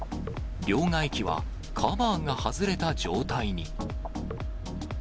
両替機は、カバーが外れた状態に。